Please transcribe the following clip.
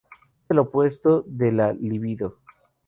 Es el opuesto de la libido.